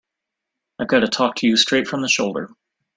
I've got to talk to you straight from the shoulder.